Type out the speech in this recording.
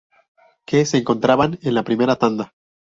que se encontraban en la primera tanda